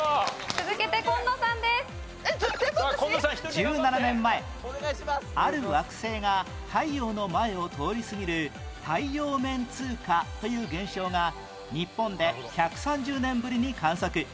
１７年前ある惑星が太陽の前を通りすぎる太陽面通過という現象が日本で１３０年ぶりに観測